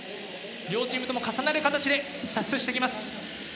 両チームとも重なる形で射出していきます。